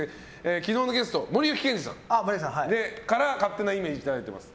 昨日のゲスト、森脇健児さんから勝手なイメージいただいてます。